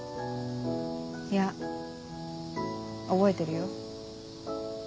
いや覚えてるよ。